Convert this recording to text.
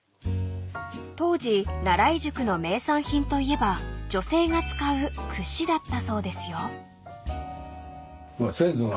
［当時奈良井宿の名産品といえば女性が使うくしだったそうですよ］